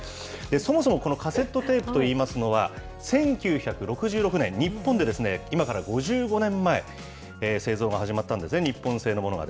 そもそも、このカセットテープといいますのは、１９６６年、日本で、今から５５年前、製造が始まったんですね、日本製のものが。